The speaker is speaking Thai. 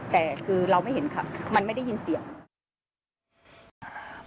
แต่คือเราไม่เห็นค่ะมันไม่ได้ยินเสียง